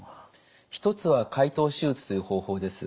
一つは開頭手術という方法です。